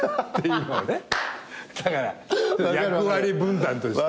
だから役割分担として。